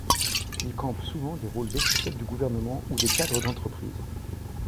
Il campe souvent des rôles d'officiels du gouvernement ou de cadres d'entreprise.